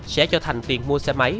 sẽ cho thành tiền mua xe máy